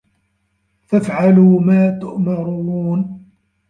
فَافْعَلُوا مَا تُؤْمَرُونَ